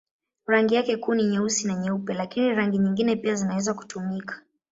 Rangi yake kuu ni nyeusi na nyeupe, lakini rangi nyingine pia zinaweza kutumika.